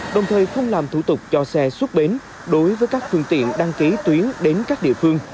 đồng thời không làm thủ tục cho xe xuất bến đối với các phương tiện đăng ký tuyến đến các địa phương